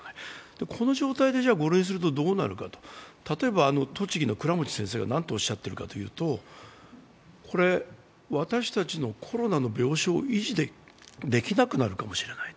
この状態で５類にするとどうなるか例えば、栃木の倉持先生が何とおっしゃっているかというと、私たちのコロナの病床を維持できなくなるかもしれないと。